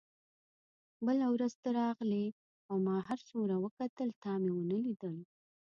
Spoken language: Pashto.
بله ورځ ته راغلې او ما هر څومره وکتل تا مې ونه لیدل.